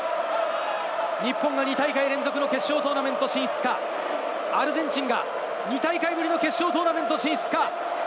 日本が２大会連続の決勝トーナメント進出か、アルゼンチンが２大会ぶりの決勝トーナメント進出か？